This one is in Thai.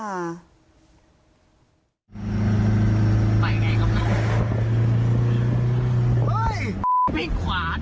ขอบคุณครับ